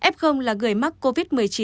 f là người mắc covid một mươi chín